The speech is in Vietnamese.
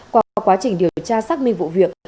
qua quá trình điều tra xác minh vụ việc